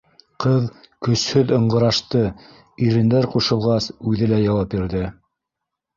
Ҡыҙ көсһөҙ ыңғырашты, ирендәр ҡушылғас, үҙе лә яуап бирҙе